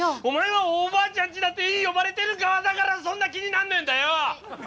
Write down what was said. お前は「おばあちゃんちだ」って呼ばれてる側だからそんな気になんねえんだよ！